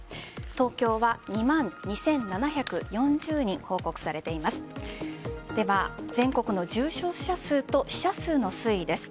東京は２万２７４０人報告されています。